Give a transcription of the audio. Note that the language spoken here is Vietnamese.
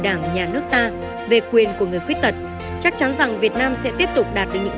đảng nhà nước ta về quyền của người khuyết tật chắc chắn rằng việt nam sẽ tiếp tục đạt được những